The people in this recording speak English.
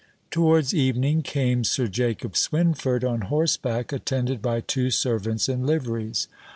Towards evening came Sir Jacob Swynford, on horseback, attended by two servants in liveries.